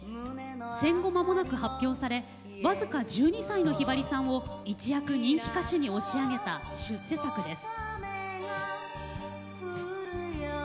戦後まもなく発表され僅か１２歳のひばりさんを一躍人気歌手に押し上げた出世作です。